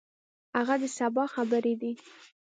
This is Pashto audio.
هغه د سبا خبرې دي.